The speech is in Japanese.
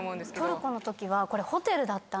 トルコの時はこれ。